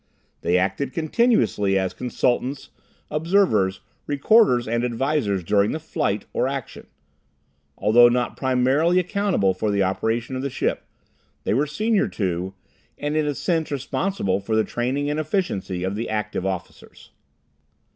They acted continuously as consultants, observers, recorders and advisors during the flight or action. Although not primarily accountable for the operation of the ship, they were senior to, and in a sense responsible for the training and efficiency of the Active Officers.